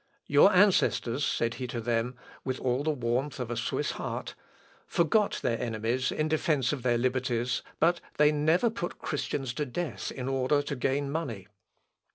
"Your ancestors," said he to them, with all the warmth of a Swiss heart, "forgot their enemies in defence of their liberties, but they never put Christians to death in order to gain money.